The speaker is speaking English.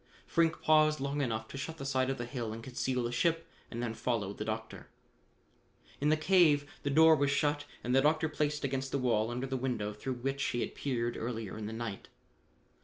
Frink paused long enough to shut the side of the hill and conceal the ship, and then followed the doctor. In the cave the door was shut and the doctor placed against the wall under the window through which he had peered earlier in the night.